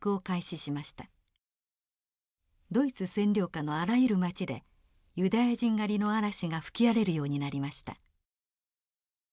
ドイツ占領下のあらゆる町でユダヤ人狩りの嵐が吹き荒れるようになりました。